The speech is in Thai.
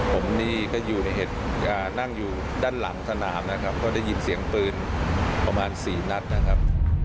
ผมนี่ก็อยู่ในเหตุนั่งอยู่ด้านหลังสนามนะครับก็ได้ยินเสียงปืนประมาณ๔นัดนะครับ